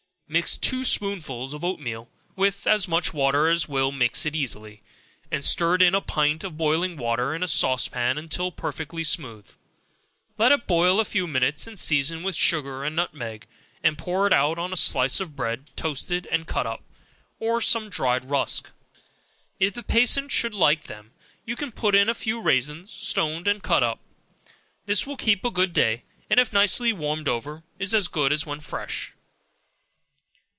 Mix two spoonsful of oat meal, with as much water as will mix it easily, and stir it in a pint of boiling water in a sauce pan until perfectly smooth; let it boil a few minutes; season it with sugar and nutmeg, and pour it out on a slice of bread toasted and cut up, or some dried rusk. If the patient should like them, you can put in a few raisins, stoned and cut up. This will keep good a day, and if nicely warmed over, is as good as when fresh.